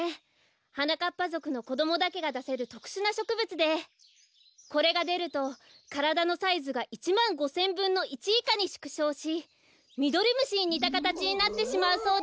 はなかっぱぞくのこどもだけがだせるとくしゅなしょくぶつでこれがでるとからだのサイズが１まん５せんぶんの１いかにしゅくしょうしミドリムシににたかたちになってしまうそうです。